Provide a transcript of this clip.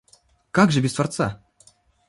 Как же без Творца?